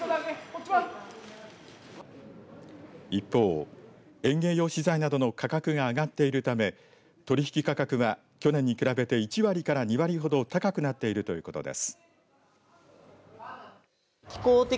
一方、園芸用資材などの価格が上がっているため取引価格は去年に比べて１割から２割ほど高くなっているということです。